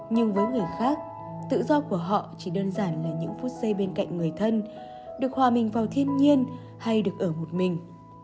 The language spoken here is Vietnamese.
nhưng với người khác tự do của họ chỉ đơn giản là những phút giây bên cạnh người thân được hòa mình vào thiên nhiên hay được ở một mình